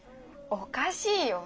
おかしいよ。